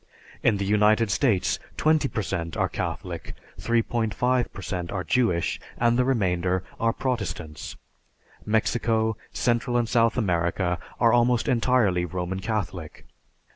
In the United States, 20 per cent are Catholic, 3.5 per cent are Jewish, and the remainder are Protestants. Mexico, Central and South America, are almost entirely Roman Catholic.